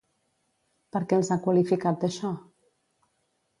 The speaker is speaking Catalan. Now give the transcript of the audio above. Per què els ha qualificat d'això?